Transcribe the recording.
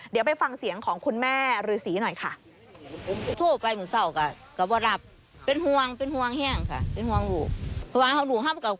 เดี๋ยวไปฟังเสียงของคุณแม่ฤษีหน่อยค่ะ